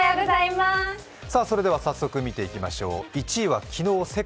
それでは早速見ていきましょう。